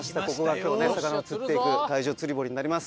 今日魚を釣って行く海上釣り堀になります。